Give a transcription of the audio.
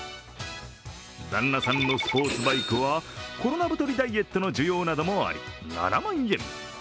旦那さんのスポーツバイクはコロナ太りダイエットの需要などもあり７万円。